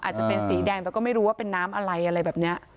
อาจจะเป็นสีแดงแต่ก็ไม่รู้ว่าเป็นน้ำอะไรอะไรแบบนี้